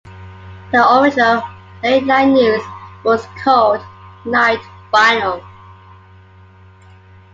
The original late-night news was called "Night Final".